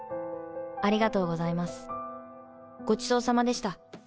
ありがとうございますごちそうさまでした。